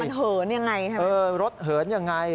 มันเหินอย่างไรรถเหินอย่างไร